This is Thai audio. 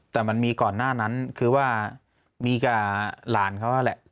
แต่มันมีก่อนหน้านั้นคือว่ามีกับหลานเขาแหละ